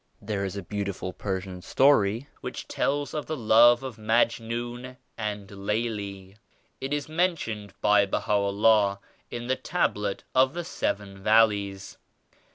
There is a beautiful Persian story which tells of the love of Majnun and Laila. It is mentioned by Baha'u'llah in the Tablet of the "Seven Valleys".